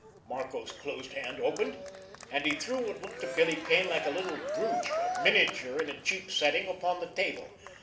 Marco's closed hand opened, and he threw what looked to Billy Kane like a little brooch, a miniature in a cheap setting, upon the table.